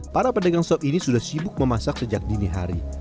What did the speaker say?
para pedagang sop ini sudah sibuk memasak sejak dini hari